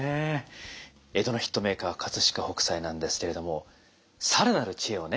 江戸のヒットメーカー飾北斎なんですけれども更なる知恵をね